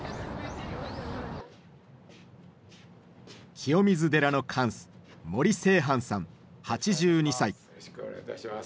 清水寺のよろしくお願いいたします。